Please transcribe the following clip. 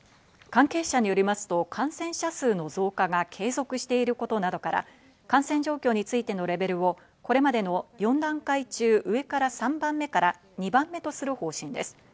関係者によりますと感染者数の増加が継続していることなどから、感染状況についてのレベルをこれまでの４段階中、上から３番目から２番目とする方針です。